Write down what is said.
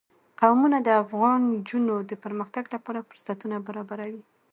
قومونه د افغان نجونو د پرمختګ لپاره فرصتونه برابروي.